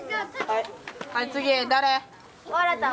はい次誰？